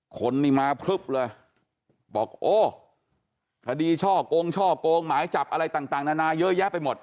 คนนี่มาพลึบเลยบอกโอ้คดีช่อกงช่อโกงหมายจับอะไรต่างนานาเยอะแยะไปหมด